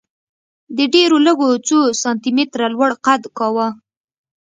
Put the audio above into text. دې ډېرو لږو څو سانتي متره لوړ قد کاوه